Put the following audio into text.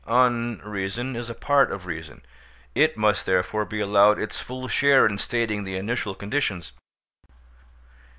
Unreason is a part of reason; it must therefore be allowed its full share in stating the initial conditions.